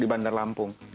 di bandar lampung